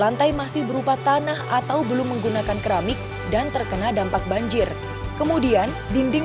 lantai masih berupa tanah atau belum menggunakan keramik dan terkena dampak banjir kemudian dinding